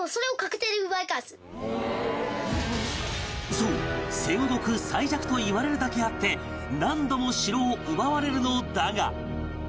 そう戦国最弱といわれるだけあって何度も城を奪われるのだが